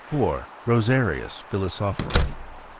Rosarius Philosophorum.